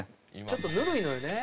ちょっとぬるいのよね。